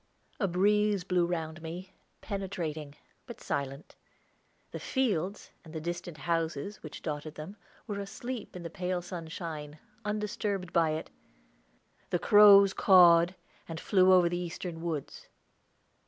A breeze blew round me, penetrating, but silent; the fields, and the distant houses which dotted them, were asleep in the pale sunshine, undisturbed by it. The crows cawed, and flew over the eastern woods.